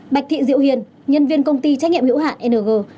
bạch thị diệu hiền nhân viên công ty trách nhiệm hiểu hạn ng